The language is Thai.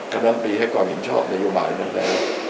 ขณะนั้นไปให้กว่าเห็นชอบนโยมายนั้นแล้ว